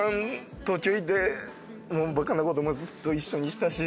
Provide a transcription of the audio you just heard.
東京いてバカなこともずっと一緒にしたし。